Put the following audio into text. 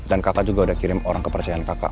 dan kakak juga udah kirim orang kepercayaan kakak